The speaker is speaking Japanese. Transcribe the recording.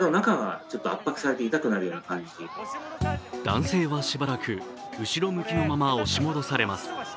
男性はしばらく後ろ向きのまま押し戻されます。